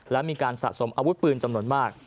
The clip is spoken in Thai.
และมีการสะสมอาวุธปืนจำนวนมาก